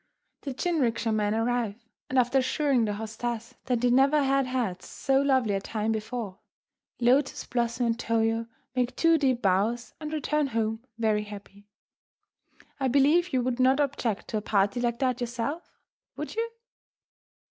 The jinrikisha men arrive, and after assuring their hostess that they never had had so lovely a time before, Lotus Blossom and Toyo make two deep bows and return home very happy. I believe you would not object to a party like that yourself, would you?